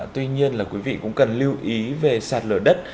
tuy nhiên là quý vị cũng cần lưu ý về sạt lở đất